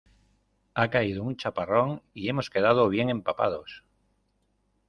Ha caído un chaparrón ¡y hemos quedado bien empapados!